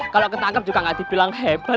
kalau ketangkep juga nggak dibilang hebat